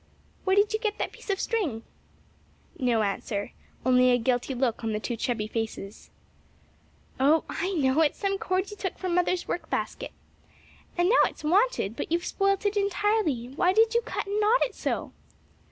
"Where did you get that piece of string?" No answer; only a guilty look on the two chubby faces. "Oh, I know! it's some cord you took from mother's work basket. And now it's wanted; but you've spoilt it entirely; why did you cut and knot it so?"